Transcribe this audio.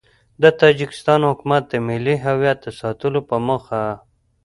د تاجیکستان حکومت د ملي هویت د ساتلو په موخه